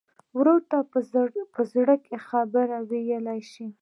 ورور ته د زړګي خبره ویلی شې.